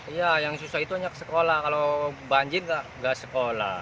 iya yang susah itu hanya sekolah kalau banjir nggak sekolah